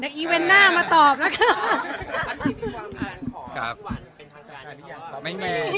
เดี๋ยวอีเวนหน้ามาตอบล่ะค่ะ